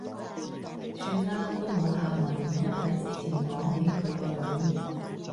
算喇，都冇下文。因為之前講起佢個女